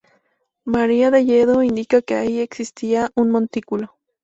María de Lledó", indicando que ahí existía un montículo.